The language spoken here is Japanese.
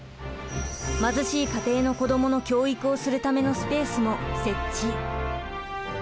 貧しい家庭の子どもの教育をするためのスペースも設置。